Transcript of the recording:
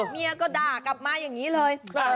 เมียก็ด่ากลับมาอย่างนี้เลย